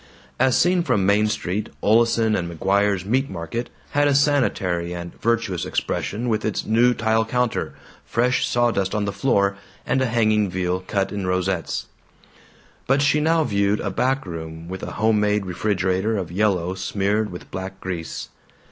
As seen from Main Street, Oleson & McGuire's Meat Market had a sanitary and virtuous expression with its new tile counter, fresh sawdust on the floor, and a hanging veal cut in rosettes. But she now viewed a back room with a homemade refrigerator of yellow smeared with black grease.